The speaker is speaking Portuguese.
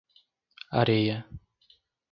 Areia